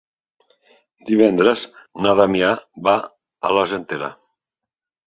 Divendres na Damià va a l'Argentera.